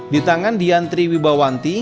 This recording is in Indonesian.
di tangan diantri wibawanti